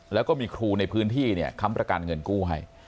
แล้วก็มีครูในพื้นที่ค้ำประกันเงินกู้ให้